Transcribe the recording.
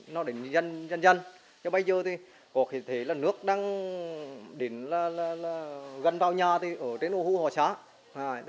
nó đền dần dần nhưng bây giờ thì có thể là nước đang đến là gần vào nhà thì ở trên ô hưu họ xá